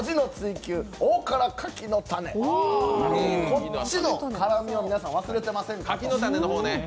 こっちの辛みを皆さん、忘れてませんか。